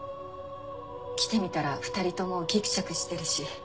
来てみたら２人ともギクシャクしてるし。